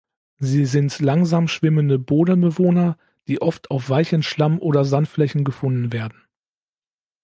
Sie sind langsam schwimmende Boden-Bewohner, die oft auf weichen Schlamm oder Sandflächen gefunden werden.